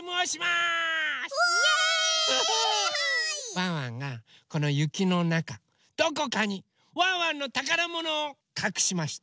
ワンワンがこのゆきのなかどこかにワンワンのたからものをかくしました。